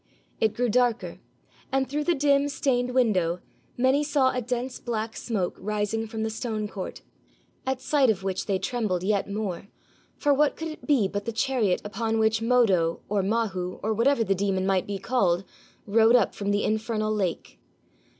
It grew darker, and through the dim stained window many saw a dense black smoke rising from the stone court, at sight of which they trembled yet more, for what could it be but the chariot upon which Modo, or Mahu, or whatever the demon might be called, rode up from the infernal lake?